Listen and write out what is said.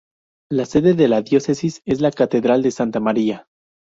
La sede de la Diócesis es la Catedral de Santa María.